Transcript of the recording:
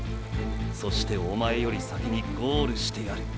そしておまえより先にゴールしてやる。